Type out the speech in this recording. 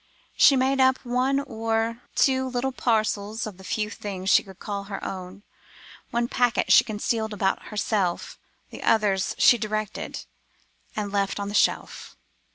She made up one or two little parcels of the few things she could call her own: one packet she concealed about herself—the others she directed, and left on the shelf.